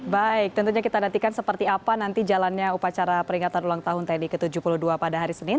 baik tentunya kita nantikan seperti apa nanti jalannya upacara peringatan ulang tahun tni ke tujuh puluh dua pada hari senin